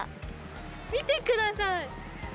見てください。